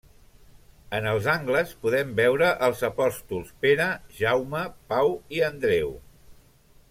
En els angles podem veure als apòstols Pere, Jaume, Pau i Andreu.